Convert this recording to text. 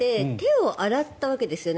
だって手を洗ったわけですよね。